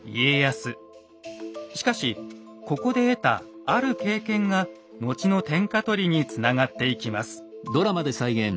しかしここで得たある経験が後の天下取りにつながっていきます。